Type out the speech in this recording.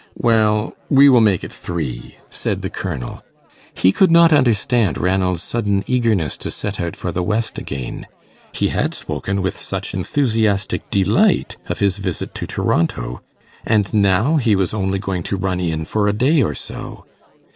"Well, we will make it three," said the colonel. He could not understand Ranald's sudden eagerness to set out for the West again. He had spoken with such enthusiastic delight of his visit to Toronto, and now he was only going to run in for a day or so.